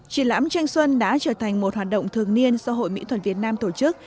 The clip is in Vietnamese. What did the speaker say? triển lãm tranh xuân đã trở thành một hoạt động thường niên do hội mỹ thuật việt nam tổ chức